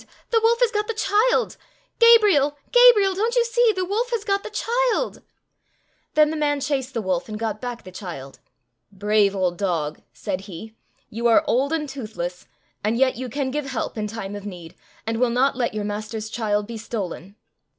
the wolf has got the child ! Gabriel, Gabriel ! don't you see ? The wolf has got the child !" Then the man chased the wolf, and got back the child. " Brave old dog !" said he ;" you are old and toothless, and yet you can give help in time of need, and will not let your master's child be stolen."